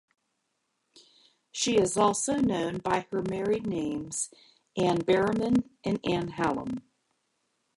She is also known by her married names Anne Berriman and Anne Hallam.